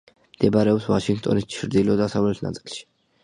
მდებარეობს ვაშინგტონის ჩრდილო-დასავლეთ ნაწილში.